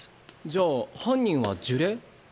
じゃあ犯人は呪霊？